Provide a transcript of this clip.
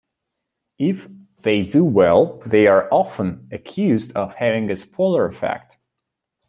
If they do well, they are often accused of having a spoiler effect.